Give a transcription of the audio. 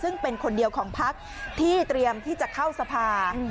ซึ่งเป็นคนเดียวของพักที่เตรียมที่จะเข้าสภา